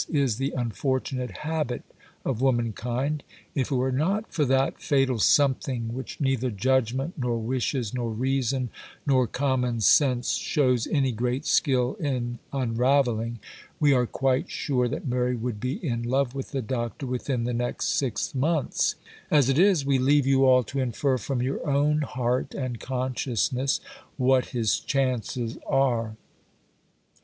—is the unfortunate habit of womankind,—if it were not for that fatal something which neither judgment, nor wishes, nor reason, nor common sense shows any great skill in unravelling,—we are quite sure that Mary would be in love with the Doctor within the next six months; as it is, we leave you all to infer from your own heart and consciousness what his chances are.